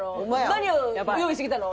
何を用意してきたの？